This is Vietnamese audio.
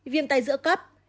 viên tay giữa cấp